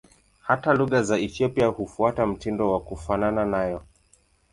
Hata lugha za Ethiopia hufuata mtindo wa kufanana nayo.